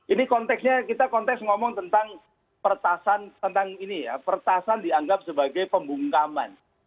ini konteksnya kita konteks ngomong tentang pertasan tentang ini ya pertasan dianggap sebagai pembungkaman